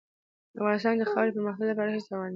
افغانستان کې د خاورې د پرمختګ لپاره هڅې روانې دي.